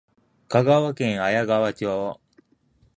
香川県綾川町